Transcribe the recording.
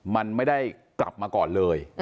มันไม่ได้กลับมาก่อนเลย